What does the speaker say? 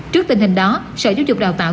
trước tình hình đó sở giáo dục đào tạo